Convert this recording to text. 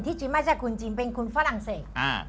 ที่จีนไม่ใช่คนจีนเป็นคนฝรั่งเศส